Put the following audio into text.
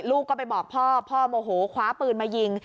ลูกก็ไปบอกพ่อพ่อโมโหคว้าปืนมายิง